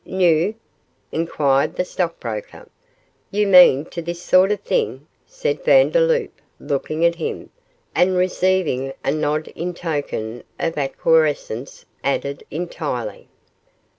'New?' inquired the stockbroker. 'You mean to this sort of thing?' said Vandeloup, looking at him, and receiving a nod in token of acquiescence, added, 'entirely.